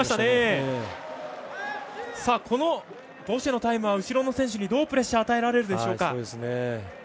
ボシェのタイムは後ろの選手にどうプレッシャーを与えられるでしょうか。